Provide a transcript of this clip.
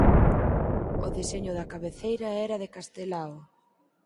O deseño da cabeceira era de Castelao.